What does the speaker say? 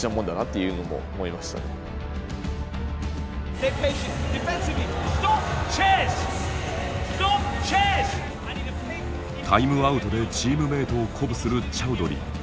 逆にだからこそこうタイムアウトでチームメートを鼓舞するチャウドリー。